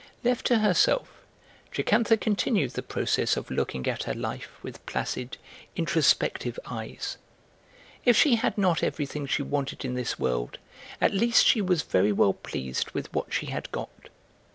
Left to herself, Jocantha continued the process of looking at her life with placid, introspective eyes. If she had not everything she wanted in this world, at least she was very well pleased with what she had got.